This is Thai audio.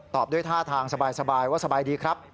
ด้วยท่าทางสบายว่าสบายดีครับ